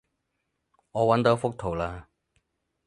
我搵到幅圖喇